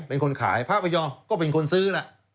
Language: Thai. เป็นคนขายพระพยอมก็เป็นคนซื้อล่ะ